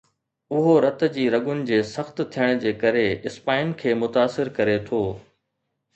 اهو رت جي رڳن جي سخت ٿيڻ جي ڪري اسپائن کي متاثر ڪري ٿو